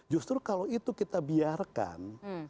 justru kalau itu kita biarkan